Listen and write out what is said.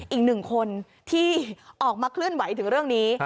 อีกหนึ่งคนที่ออกมาเคลื่อนไหวถึงเรื่องนี้